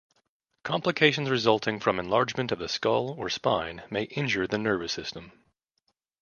Complications resulting from enlargement of the skull or spine may injure the nervous system.